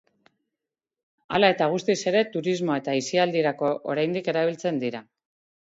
Hala eta guztiz ere, turismo eta aisialdirako oraindik erabiltzen dira.